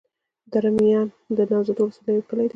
دره میان د نوزاد ولسوالي يو کلی دی.